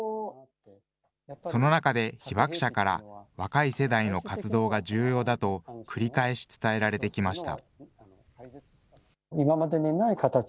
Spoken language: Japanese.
その中で、被爆者から若い世代の活動が重要だと、繰り返し伝えられてきました。